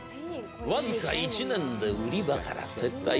僅か１年で売り場から撤退